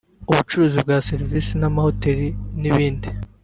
ubucuruzi bwa serivisi n’amahoteli n’ibindi